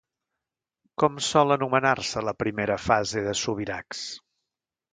Com sol anomenar-se la primera fase de Subirachs?